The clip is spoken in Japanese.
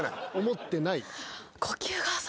思ってない。